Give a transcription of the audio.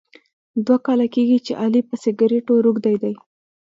دوه کاله کېږي چې علي په سګرېټو روږدی دی.